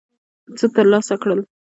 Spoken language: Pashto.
څه ترلاسه کړل.